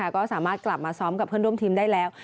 ก็สามารถกลับมาซ้อมกับเพื่อนร่วมทีมได้แล้ว